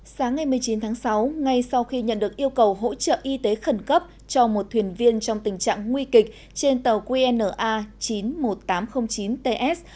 sáng ngày một mươi chín tháng sáu ngay sau khi nhận được yêu cầu hỗ trợ y tế khẩn cấp cho một thuyền viên trong tình trạng nguy kịch trên tàu qna chín mươi một nghìn tám trăm linh chín ts